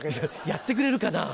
やってくれるかなぁ？